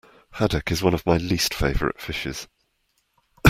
Haddock is one of my least favourite fishes